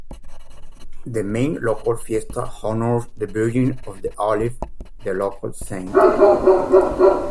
The main local fiesta honours the "Virgin of the Olive", the local saint.